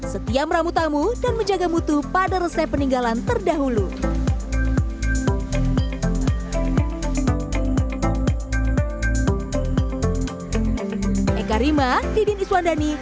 setia meramu tamu dan menjaga mutu pada resep peninggalan terdahulu